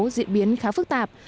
diễn biến khá phức tạp